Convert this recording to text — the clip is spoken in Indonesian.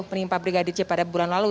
menimpa brigadir c pada bulan lalu